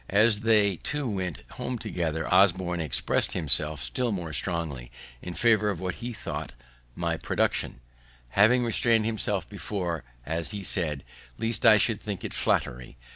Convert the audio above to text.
As they two went home together, Osborne expressed himself still more strongly in favor of what he thought my production; having restrain'd himself before, as he said, lest I should think it flattery.